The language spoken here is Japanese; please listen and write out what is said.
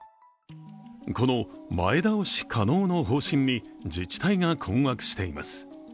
この前倒し可能の方針に自治体が困惑しています。